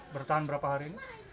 bertahan berapa hari ini